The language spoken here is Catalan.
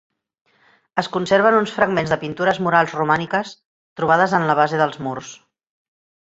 Es conserven uns fragments de pintures murals romàniques trobades en la base dels murs.